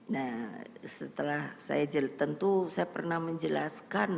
nah setelah saya tentu saya pernah menjelaskan